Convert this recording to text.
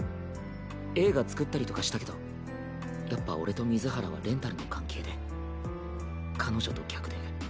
映画作ったりとかしたけどやっぱ俺と水原はレンタルの関係で「彼女」と「客」で。